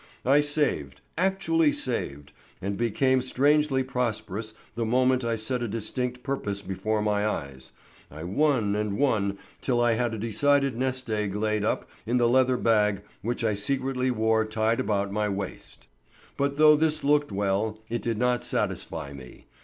I saved, actually saved, and becoming strangely prosperous the moment I set a distinct purpose before my eyes, I won and won till I had a decided nest egg laid up in the leathern bag which I secretly wore tied about my waist. But though this looked well, it did not satisfy me.